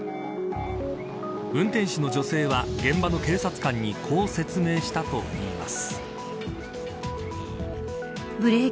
運転手の女性は現場の警察官にこう説明したといいます。